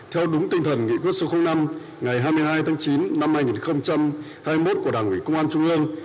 theo đúng tinh thần nghị quyết số năm ngày hai mươi hai tháng chín năm hai nghìn hai mươi một của đảng ủy công an trung ương